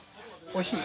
おいしい？